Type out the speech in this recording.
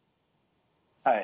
はい。